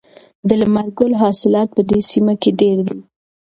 د لمر ګل حاصلات په دې سیمه کې ډیر دي.